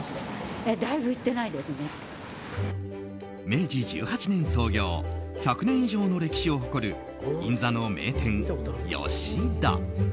明治１８年創業１００年以上の歴史を誇る銀座の名店、よし田。